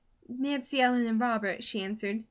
"Nancy Ellen and Robert," she answered.